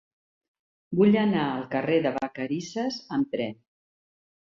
Vull anar al carrer de Vacarisses amb tren.